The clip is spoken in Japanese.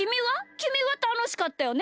きみはたのしかったよね？